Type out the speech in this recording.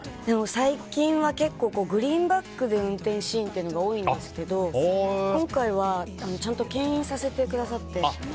最近は結構、グリーンバックで運転シーンというのが多いんですけど今回は、ちゃんと牽引させてくださって。